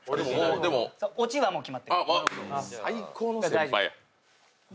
オチはもう決まってるので。